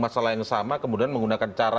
masalah yang sama kemudian menggunakan cara